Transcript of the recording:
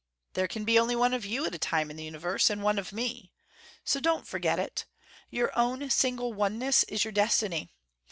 There can only be one of you at a time in the universe and one of me. So don't forget it. Your own single oneness is your destiny.